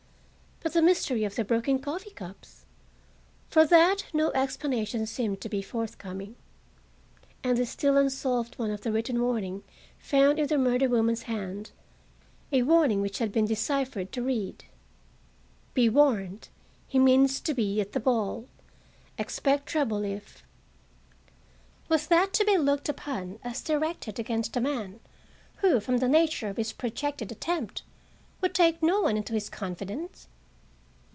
But the mystery of the broken coffee cups! For that no explanation seemed to be forthcoming. And the still unsolved one of the written warning found in the murdered woman's hand—a warning which had been deciphered to read: "Be warned! He means to be at the ball! Expect trouble if—" Was that to be looked upon as directed against a man who, from the nature of his projected attempt, would take no one into his confidence?